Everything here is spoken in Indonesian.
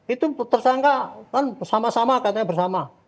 itu tersangka kan bersama sama katanya bersama